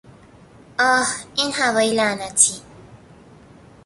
آه، این هوای لعنتی!